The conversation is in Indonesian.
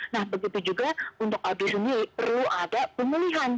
nah begitu juga untuk abdul sendiri perlu ada pemulihan